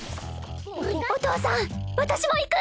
お父さん私も行く！